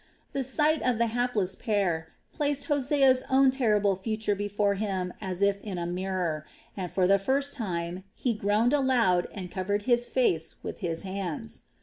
The sight of the hapless pair placed Hosea's own terrible future before him as if in a mirror, and for the first time he groaned aloud and covered his face with his hands.